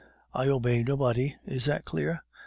I obey nobody; is that clear?